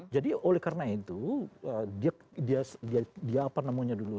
jadi oleh karena itu dia apa namanya dulu